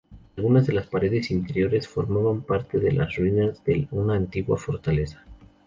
Algunas de las paredes interiores formaban parte de las ruinas de una antigua fortaleza.